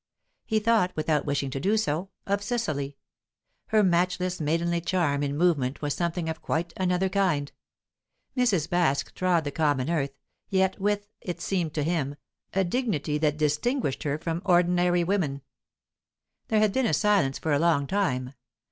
He thought, without wishing to do so, of Cecily; her matchless, maidenly charm in movement was something of quite another kind. Mrs. Baske trod the common earth, yet with, it seemed to him, a dignity that distinguished her from ordinary women. There had been silence for a long time.